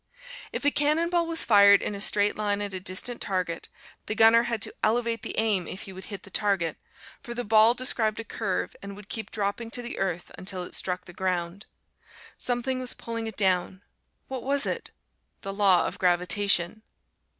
If a cannon ball was fired in a straight line at a distant target, the gunner had to elevate the aim if he would hit the target, for the ball described a curve and would keep dropping to the earth until it struck the ground. Something was pulling it down: what was it? The Law of Gravitation!